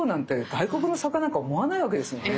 外国の作家なんか思わないわけですよね。